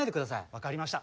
分かりました。